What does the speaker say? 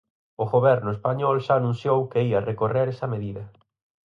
O goberno español xa anunciou que ía recorrer esa medida.